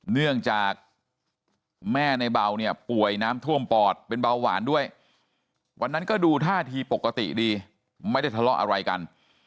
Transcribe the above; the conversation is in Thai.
เนื่องจากแม่ในเบาเนี่ยป่วยน้ำท่วมปอดเป็นเบาหวานด้วยวันนั้นก็ดูท่าทีปกติดีไม่ได้ทะเลาะอะไรกัน